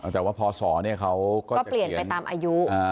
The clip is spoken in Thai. แต่ว่าพศเขาก็เปลี่ยนไปตามอายุ